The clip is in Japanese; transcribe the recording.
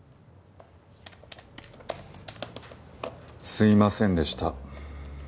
すいませんでした。